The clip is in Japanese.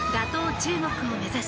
中国を目指し